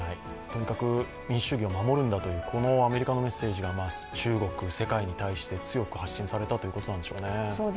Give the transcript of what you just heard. とにかく民主主義を守るためというこのアメリカのメッセージが、中国、世界に対して強く発信されたということなのでしょうか。